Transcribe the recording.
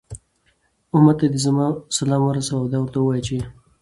أمت ته دي زما سلام ورسوه، او دا ورته ووايه چې